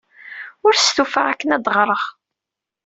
Ur stufaɣ akken ad ɣreɣ.